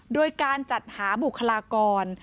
โดยการจัดหาบุคลากร